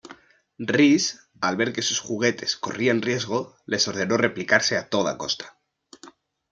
Reese, al ver que sus "juguetes" corrían riesgo, les ordenó replicarse a toda costa.